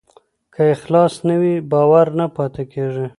که اخلاص نه وي، باور نه پاتې کېږي.